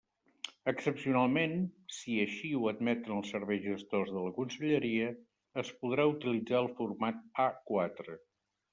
Excepcionalment, si així ho admeten els serveis gestors de la conselleria, es podrà utilitzar el format A quatre.